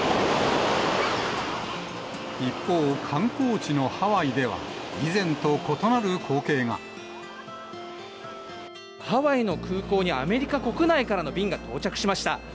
一方、観光地のハワイでは、ハワイの空港に、アメリカ国内からの便が到着しました。